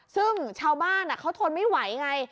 ซึ่งชาวบ้านเขาทนไม่ไหวไง